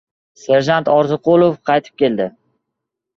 Serjant Orziqulov qaytib keldi.